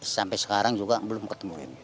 sampai sekarang juga belum ketemuin